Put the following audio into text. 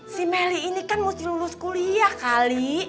si melly ini kan mesti lulus kuliah kali